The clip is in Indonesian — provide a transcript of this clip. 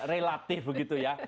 relatif begitu ya